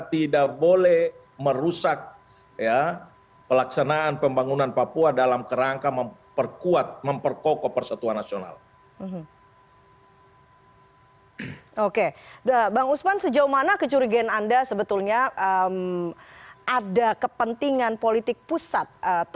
tidak menjadi membuat papua semakin dirugikan